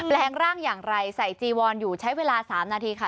แรงร่างอย่างไรใส่จีวอนอยู่ใช้เวลา๓นาทีค่ะ